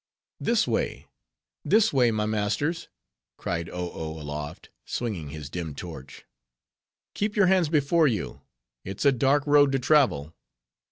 "This way, this way, my masters," cried Oh Oh, aloft, swinging his dim torch. "Keep your hands before you; it's a dark road to travel."